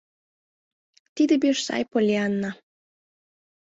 — Тиде пеш сай, Поллианна.